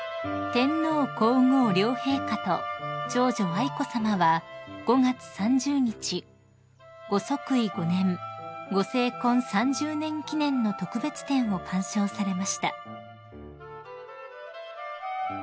［天皇皇后両陛下と長女愛子さまは５月３０日ご即位５年・ご成婚３０年記念の特別展を鑑賞されました］